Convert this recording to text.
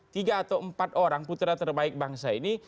tiga atau empat orang putra terbaik bangsa ini